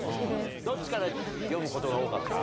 どっちから読むことが多かった？